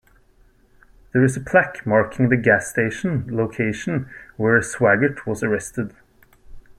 There is a plaque marking the gas station location where Swaggart was arrested.